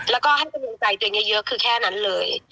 แล้วก็ให้กำลังใจตัวเองเยอะคือแค่นั้นเลย